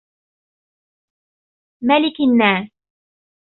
ملك الناس